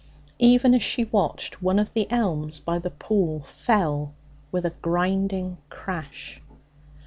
Even as she watched, one of the elms by the pool fell with a grinding crash.